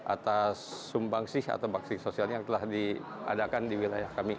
atas sumbang sih atau baksi sosial yang telah diadakan di wilayah kami